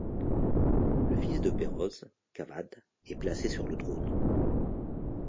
Le fils de Péroz, Kavadh, est placé sur le trône.